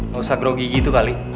gak usah grogi gitu kali